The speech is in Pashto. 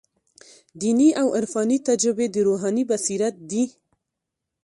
دیني او عرفاني تجربې د روحاني بصیرت دي.